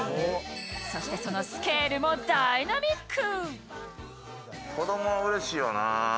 そして、そのスケールもダイナミック。